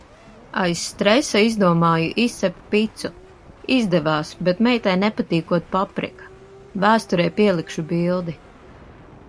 Aiz stresa izdomāju izcept picu. Izdevās, bet meitai nepatīkot paprika. Vēsturei pielikšu bildi.